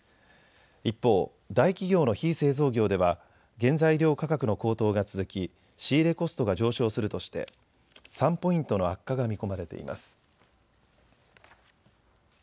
一方、大企業の非製造業では原材料価格の高騰が続き仕入れコストが上昇するとして３ポイントの悪化が見込まれています。